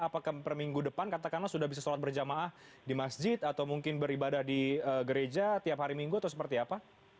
apakah per minggu depan katakanlah sudah bisa sholat berjamaah di masjid atau mungkin beribadah di gereja tiap hari minggu atau seperti apa